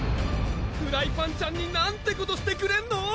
フライパンちゃんになんてことしてくれんの！